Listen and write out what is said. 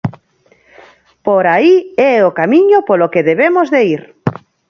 Por aí é o camiño polo que debemos de ir.